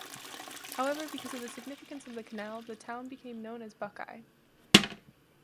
However, because of the significance of the canal, the town became known as Buckeye.